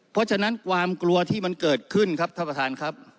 เพราะฉะนั้นความกลัวที่มันเกิดขึ้นครับท่านประธานครับ